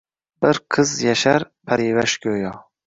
Bir qiz yashar, parivash goʼyo